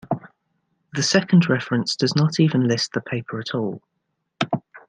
The second reference does not even list the paper at all.